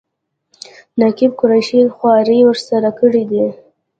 نقیب قریشي خواري ورسره کړې ده.